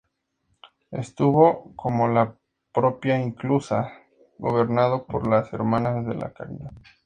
Estuvo, como la propia Inclusa, gobernado por las "hermanas de la caridad".